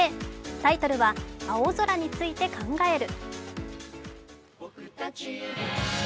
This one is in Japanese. タイトルは「青空について考える」。